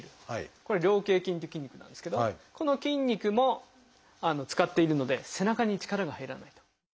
これは「菱形筋」っていう筋肉なんですけどこの筋肉も使っているので背中に力が入らない。